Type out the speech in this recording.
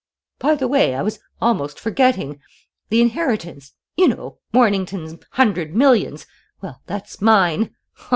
"By the way, I was almost forgetting: the inheritance you know, Mornington's hundred millions well, that's mine.